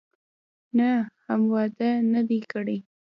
نه، هم واده نه دی کړی.